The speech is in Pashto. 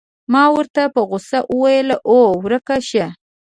ما ورته په غوسه وویل: اوه، ورک شه.